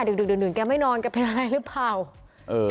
ดึกดื่นแกไม่นอนแกเป็นอะไรหรือเปล่าเออ